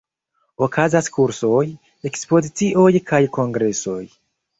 Okazas kursoj, ekspozicioj kaj kongresoj.